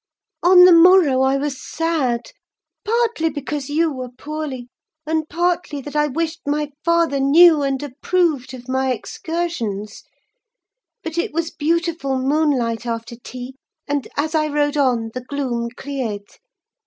"On the morrow I was sad; partly because you were poorly, and partly that I wished my father knew, and approved of my excursions: but it was beautiful moonlight after tea; and, as I rode on, the gloom cleared.